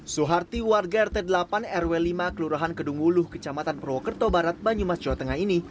suharti warga rt delapan rw lima kelurahan kedung wuluh kecamatan purwokerto barat banyumas jawa tengah ini